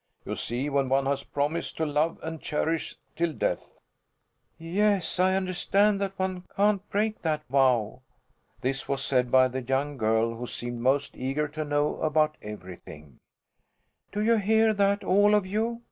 You see when one has promised to love and cherish till death " "Yes, I understand that one can't break that vow." This was said by the young girl who seemed most eager to know about everything. "Do you hear that, all of you?"